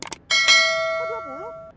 kok dua puluh